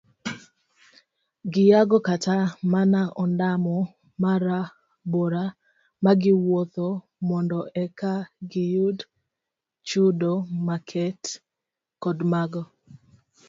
Giyuago kata mana ondamo marabora magiwuotho mondo eka giyud chudo maket kod mago